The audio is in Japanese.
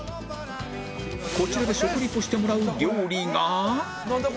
こちらで食リポしてもらう料理がなんだ？